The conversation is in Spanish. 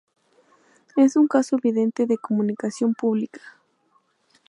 es un caso evidente de comunicación pública